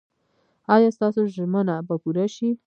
ایا ستاسو ژمنه به پوره شي؟